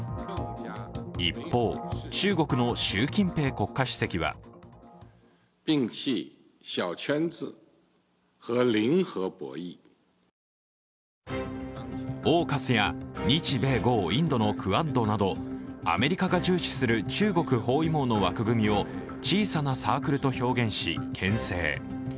一方、中国の習近平国家主席はＡＵＫＵＳや日米豪、インドのクアッドなどアメリカが重視する中国包囲網の枠組みを小さなサークルと表現しけん制。